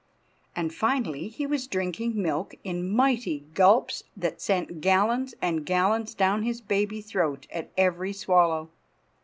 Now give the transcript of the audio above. And finally he was drinking milk in mighty gulps that sent gallons and gallons down his baby throat at every swallow.